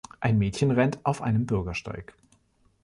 Ein Mädchen rennt auf einem Bürgersteig.